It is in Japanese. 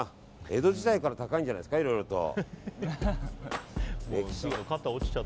江戸時代から高いんじゃないですかいろいろと。